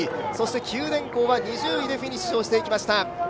九電工は２０位でフィニッシュをしていきました。